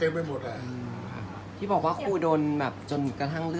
อันไหนที่มันไม่จริงแล้วอาจารย์อยากพูด